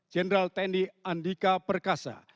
jenderal tni andika perkasa